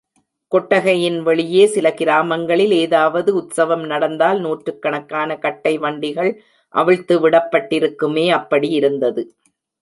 கொட்டகையின் வெளியே சில கிராமங்களில் ஏதாவது உத்ஸவம் நடந்தால் நூற்றுக் கணக்கான கட்டை வண்டிகள் அவிழ்த்து விடப்பட்டிருக்குமே, அப்படியிருந்தது.